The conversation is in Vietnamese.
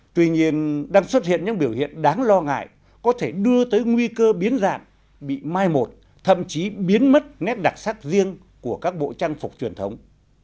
tuy nhiên đang xuất hiện những biểu hiện đáng lo ngại có thể đưa tới nguy cơ biến dạng bị mai một thậm chí biến mất nét đặc sắc riêng của các bộ trang phục truyền thống